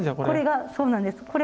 これがそうなんです。